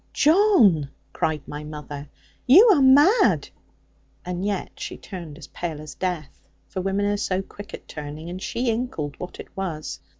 'John,' cried my mother, 'you are mad!' And yet she turned as pale as death; for women are so quick at turning; and she inkled what it was.